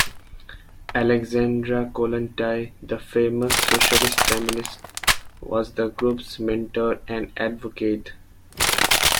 Alexandra Kollontai, the famous socialist feminist, was the group's mentor and advocate.